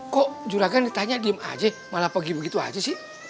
kok juragan ditanya diem aja malah pergi begitu aja sih